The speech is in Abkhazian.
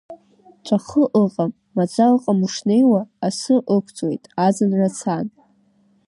Ҵәахы ыҟам, маӡа ыҟам ушнеиуа, асы ықәҵуеит, аӡынра цан.